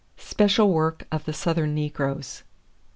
SPECIAL WORK OF THE SOUTHERN NEGROES.